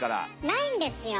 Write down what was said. ないんですよ。